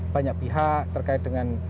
banyak pihak terkait dengan